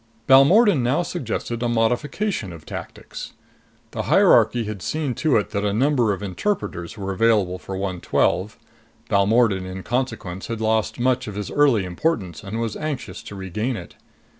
Balmordan now suggested a modification of tactics. The hierarchy had seen to it that a number of interpreters were available for 112; Balmordan in consequence had lost much of his early importance and was anxious to regain it.